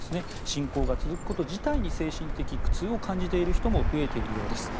侵攻が続くこと自体に精神的苦痛を感じている人も増えているようです。